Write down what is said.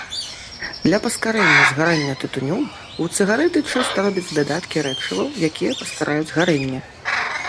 Для паскарэння згарання тытуню ў цыгарэты часта робяць дадаткі рэчываў, якія паскараюць гарэнне.